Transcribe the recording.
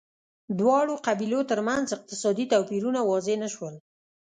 دواړو قبیلو ترمنځ اقتصادي توپیرونه واضح نه شول